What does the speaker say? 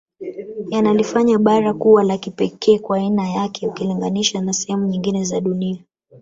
Yanalifanya bara kuwa la kipekee kwa aiana yake ukilinganisha na sehemu nyingine za dunia